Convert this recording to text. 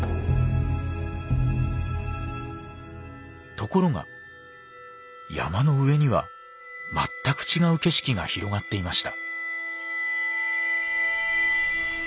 ところが山の上には全く違う景色が広がっていました。